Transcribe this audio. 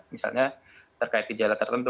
misalnya terkait kejalan tertentu